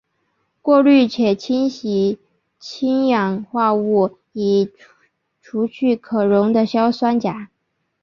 过滤且清洗氢氧化物以除去可溶的硝酸钾。